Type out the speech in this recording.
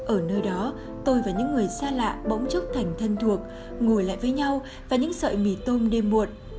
ở nơi đó tôi và những người xa lạ bỗng chốc thành thân thuộc ngồi lại với nhau và những sợi mì tôm đêm muộn